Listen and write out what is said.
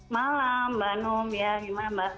malam mbak anum ya gimana mbak